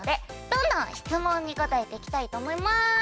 どんどん質問に答えて行きたいと思います！